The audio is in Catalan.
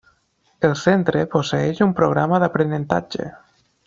El Centre posseeix un programa d'aprenentatge.